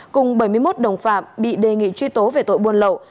cùng bảy mươi một đồng phạm bị đề nghị truy tố về tội buôn lậu